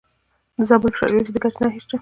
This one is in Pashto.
د زابل په شاجوی کې د ګچ نښې شته.